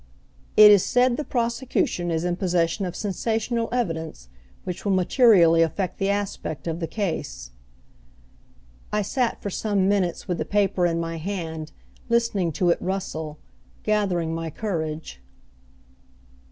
"It is said the prosecution is in possession of sensational evidence which will materially affect the aspect of the case." I sat for some minutes with the paper in my hand, listening to it rustle, gathering my courage.